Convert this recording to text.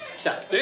え！